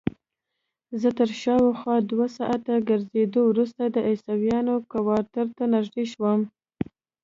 زه تر شاوخوا دوه ساعته ګرځېدو وروسته د عیسویانو کوارټر ته نږدې شوم.